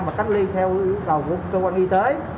mà cách ly theo yêu cầu của cơ quan y tế